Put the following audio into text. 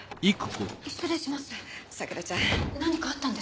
失礼します。